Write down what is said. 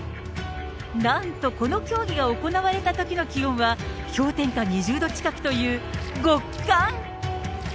なんと、この競技が行われたときの気温は氷点下２０度近くという極寒。